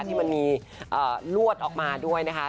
ที่มันมีลวดออกมาด้วยนะคะ